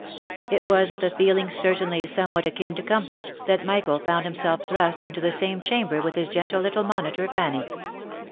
It was with a feeling certainly somewhat akin to comfort, that Michael found himself thrust into the same chamber with his gentle OF MICHAEL ARMSTRONG. 187 little monitor, Fanny.